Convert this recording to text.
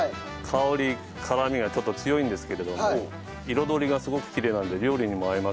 香り辛みがちょっと強いんですけれども彩りがすごくきれいなので料理にも合いますね。